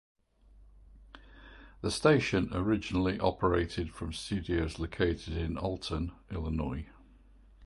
The station originally operated from studios located in Alton, Illinois.